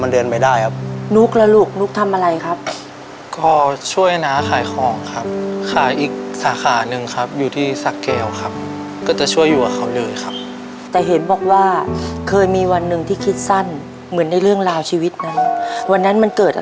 ที่หนูคิดว่ามันตันแล้วหนูไปไม่ไหวแล้วอย่างงี้ค่ะ